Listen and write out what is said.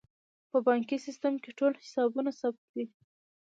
په بانکي سیستم کې ټول حسابونه ثبت وي.